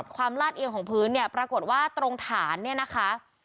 ลาดเอียงของพื้นเนี่ยปรากฏว่าตรงฐานเนี่ยนะคะ